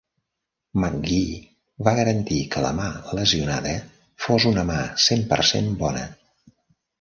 McGee va garantir que la mà lesionada fos una "mà cent per cent bona".